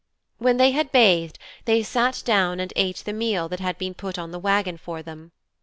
When they had bathed they sat down and ate the meal that had been put on the wagon for them.